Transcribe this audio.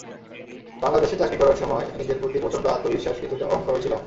বাংলাদেশে চাকরি করার সময় নিজের প্রতি প্রচণ্ড আত্মবিশ্বাস, কিছুটা অহংকারও ছিল আমার।